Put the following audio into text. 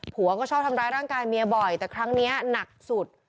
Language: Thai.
ผัวก็ชอบทำร้ายร่างกายเมียบ่อยแต่ครั้งนี้หนักสุด